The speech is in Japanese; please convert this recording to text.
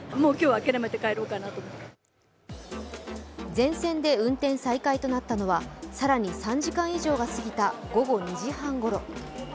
全線で運転再開となったのは更に３時間以上が過ぎた午後２時半ごろ。